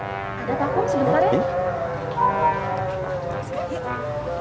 ada popok sebentar ya